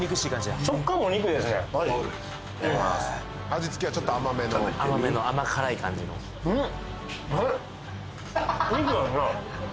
味つけはちょっと甘めの甘めの甘辛い感じの肉やんな？